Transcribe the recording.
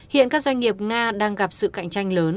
hiện các doanh nghiệp nga đang gặp sự cạnh tranh lớn